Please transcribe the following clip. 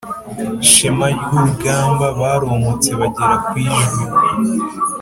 shema ryurugamba baromotse bagera kwijwi